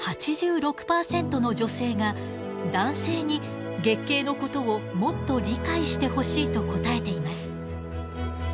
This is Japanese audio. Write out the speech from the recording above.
８６％の女性が男性に月経のことをもっと理解してほしいと答えています。